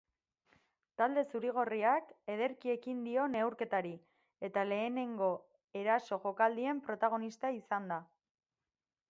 Talde zuri-gorriak ederki ekin dio neurketari eta lehenengo eraso jokaldien protagonista izan da.